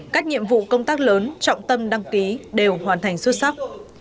các nhiệm vụ công tác lớn trọng tâm đăng ký đều hoàn thành xuất sắc